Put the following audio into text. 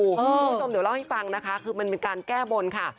คุณผู้ชมเดี๋ยวเล่าให้ฟังนะคะคือมันเป็นการแก้บนค่ะ